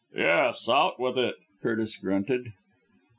"Yes, out with it," Curtis grunted.